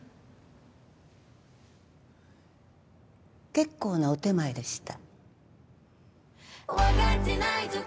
結構なお点前でした。